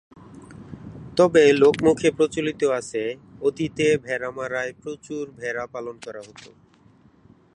তবে লোকমুখে প্রচলিত আছে অতীতে ভেড়ামারায় প্রচুর ভেড়া পালন করা হত।